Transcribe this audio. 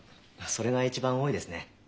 それが一番多いですね。